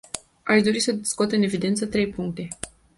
Aș dori să scot în evidență trei puncte.